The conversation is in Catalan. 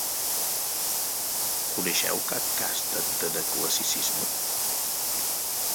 ¿Coneixeu cap cas d'antanaclassicisme?